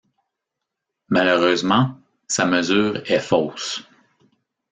Malheureusement, sa mesure est fausse.